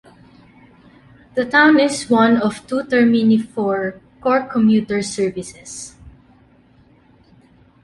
The town is one of two termini for Cork Commuter Services.